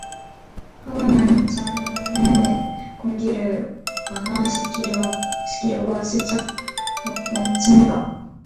하고는 장내의 공기를 완화시키려고 슬쩍 농친다.